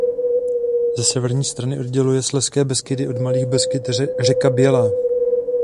Ze severní strany odděluje Slezské Beskydy od Malých Beskyd řeka Bělá.